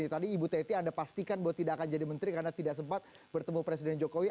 tadi ibu teti anda pastikan bahwa tidak akan jadi menteri karena tidak sempat bertemu presiden jokowi